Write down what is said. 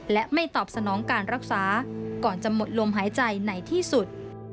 และไม่ตอบสนองการรักษาก่อนจะหมดลมหายใจไหนที่สุด